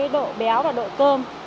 độ béo và độ cơm